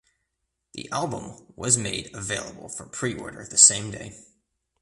The album was made available for preorder the same day.